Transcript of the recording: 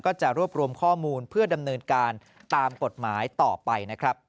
จะรวบรวมข้อมูลเพื่อดำเนินการตามกฎหมายต่อไปนะครับ